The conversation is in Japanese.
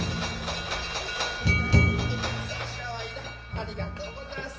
ありがとうござんす。